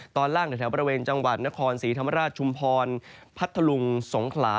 ตอนล่างในแถวบริเวณจังหวัดนครศรีธรรมราชชุมพรพัทธลุงสงขลา